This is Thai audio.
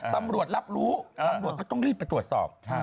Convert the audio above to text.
ตำรวจรับรู้ตำรวจก็ต้องรีบไปตรวจสอบ